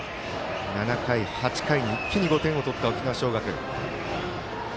７回、８回に一気に５点を取った沖縄尚学。